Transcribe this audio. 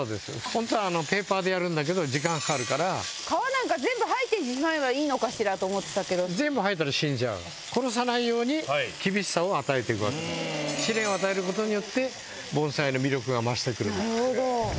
ホントはペーパーでやるんだけど時間かかるから皮なんて全部剥いでしまえばいいのかしらと思ってたけど殺さないように厳しさを与えていくわけ試練を与えることによって盆栽の魅力が増してくるんです